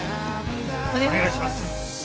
お願いします。